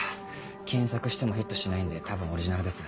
検索してもヒットしないんで多分オリジナルです。